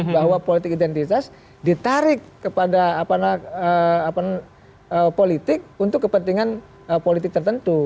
bahwa politik identitas ditarik kepada politik untuk kepentingan politik tertentu